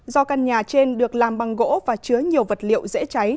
do căn nhà trên được làm bằng gỗ và chứa nhiều vật liệu dễ cháy